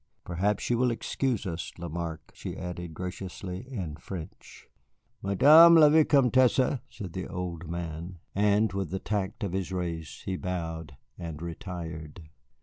Perhaps you will excuse us, Lamarque," she added graciously, in French. "Madame la Vicomtesse!" said the old man. And, with the tact of his race, he bowed and retired.